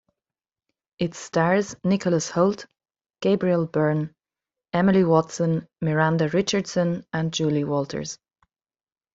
It stars Nicholas Hoult, Gabriel Byrne, Emily Watson, Miranda Richardson and Julie Walters.